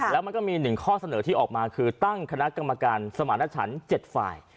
แล้วมันก็มี๑ข้อเสนอที่ออกมาคือตั้งคณะกรรมการสมารถฉัน๗ฝ่าย